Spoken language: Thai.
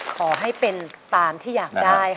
ขอให้เป็นตามที่อยากได้ค่ะ